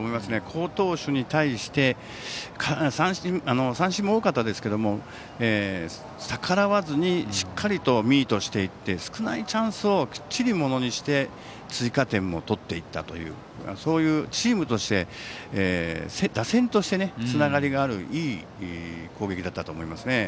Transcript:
好投手に対して三振も多かったですけど逆らわずにしっかりとミートしていって少ないチャンスをきっちりものにして追加点を取っていったというチームとして、打線としてつながりがあるいい攻撃だったと思います。